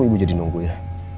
ibu jadi nunggu ya